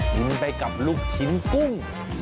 กินไปกับลูกชิ้นกุ้ง